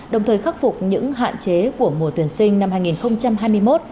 đồng thời khắc phục những hạn chế của mùa tuyển sinh năm hai nghìn hai mươi một